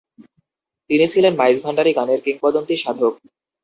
তিনি ছিলেন মাইজভান্ডারী গানের কিংবদন্তি সাধক।